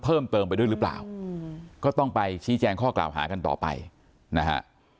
เพิ่มเติมไปด้วยหรือเปล่าก็ต้องไปชี้แจงข้อกล่าวหากันต่อไปนะฮะ